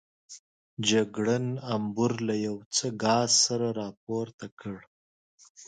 جګړن امبور له یو څه ګاز سره راپورته کړ.